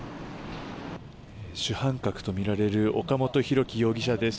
主犯格とみられる岡本大樹容疑者です。